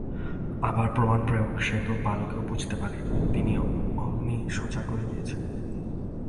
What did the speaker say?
আবার প্রমাণ-প্রয়োগ সে তো বালকেও বুঝতে পারে, তিনি এমনি সোজা করে দিয়েছেন।